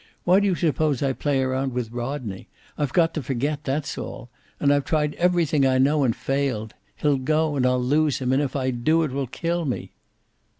Why do you suppose I play around with Rodney? I've got to forget, that's all. And I've tried everything I know, and failed. He'll go, and I'll lose him, and if I do it will kill me."